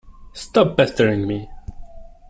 Stop pestering me!